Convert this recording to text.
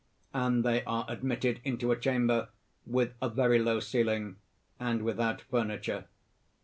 _and they are admitted into a chamber, with a very low ceiling, and without furniture.